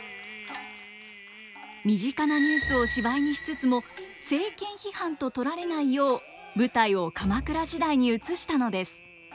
身近なニュースを芝居にしつつも政権批判と取られないよう舞台を鎌倉時代に移したのです。